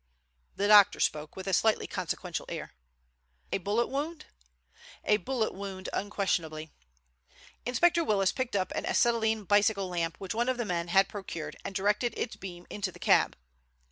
The doctor spoke with a slightly consequential air. "A bullet wound?" "A bullet wound unquestionably." Inspector Willis picked up an acetylene bicycle lamp which one of the men had procured and directed its beam into the cab.